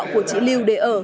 của chị lưu để ở